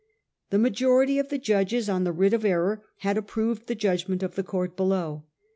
The majority of the judges on the writ of error had approved the judgment of the court below.